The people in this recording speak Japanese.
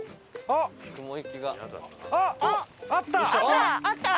あったあった！